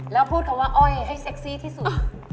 แล้วพูดคำว่าอ้อยให้เซ็กซี่ที่สุด